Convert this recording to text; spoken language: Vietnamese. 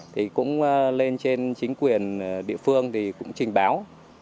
thì cũng lên trên chính quyền địa phương thì cũng trình báo